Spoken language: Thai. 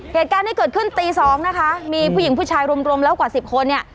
เหตุการณ์ที่เกิดขึ้นตีสองนะคะมีผู้หญิงผู้ชายรวมแล้วกว่าสิบคนเนี่ย